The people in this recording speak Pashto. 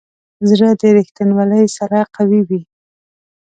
زړه د ریښتینولي سره قوي وي.